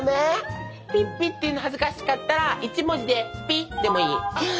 ピッピって言うの恥ずかしかったら１文字でピでもいい。